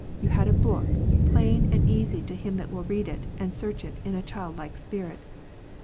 You had a book, plain and easy to him that will read it and search it in a child like spirit.